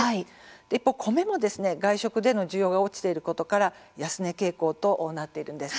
一方、米も外食で需要が落ちていることから安値傾向となっているんです。